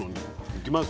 いきます。